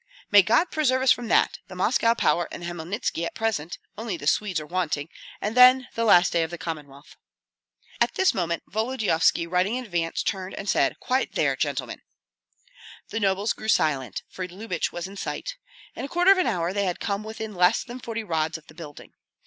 "May God preserve us from that! The Moscow power and Hmelnitski at present; only the Swedes are wanting, and then the last day of the Commonwealth." At this moment Volodyovski riding in advance turned and said, "Quiet there, gentlemen!" The nobles grew silent, for Lyubich was in sight. In a quarter of an hour they had come within less than forty rods of the building.